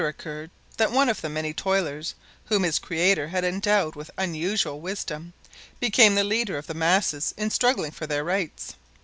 ] It occurred later that one of the many toilers, whom his Creator had endowed with unusual wisdom, became the leader of the masses in struggling for their rights.